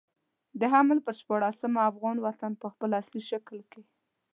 د حمل پر شپاړلسمه افغان وطن په خپل اصلي شکل کې.